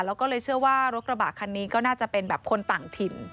แล้วก็เลยเชื่อว่ารถกระบะคันนี้ก็น่าจะเป็นแบบคนต่างถิ่น